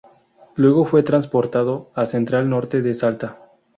Luego fue traspasado a Central Norte de Salta.